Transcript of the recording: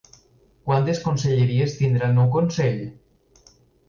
Quantes conselleries tindrà el nou Consell?